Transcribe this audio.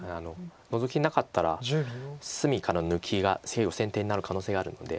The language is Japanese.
ノゾキなかったら隅から抜きが先手になる可能性があるんで。